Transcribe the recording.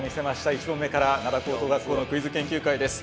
１問目から灘高等学校のクイズ研究会です。